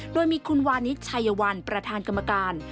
โดยมีคุณวานิสชัยวัลประธานกรรมการ